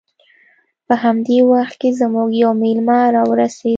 په همدې وخت کې زموږ یو میلمه راورسید